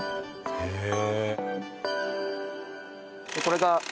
へえ！